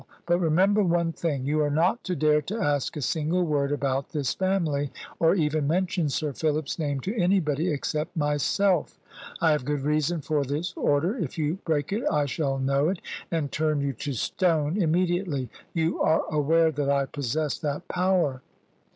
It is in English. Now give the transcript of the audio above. But remember one thing you are not to dare to ask a single word about this family, or even mention Sir Philip's name to anybody except myself. I have good reason for this order. If you break it I shall know it, and turn you to stone immediately. You are aware that I possess that power."